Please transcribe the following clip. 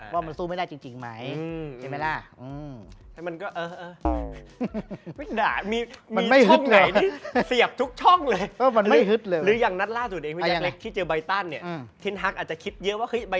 ว่ามันสู้ไม่ได้จริงไหมใช่ไหมล่ะ